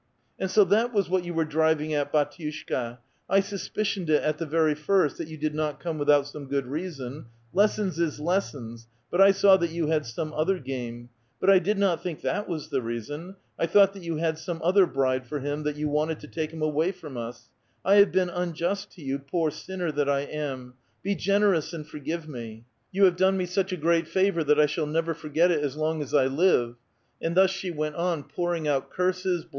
"And so that was what you were driving at, hdtmshka ; I suspicioned it at the very first, that you did not come without some good reason ; lessons is lessons, but I saw that you had some other game ; but I did not think that was the reason ; I thought that you had some other bride for him, that you wanted to take him away from us ; I have been unjust to you, poor sinner that I am ; be generous and forgive me ! 34 A VITAL QUESTION. You liavc tlono me such a great favor that I shall never for^i'l it :is loiijj as I live.*' Ami thus she went on pouring out curses, l)lcs!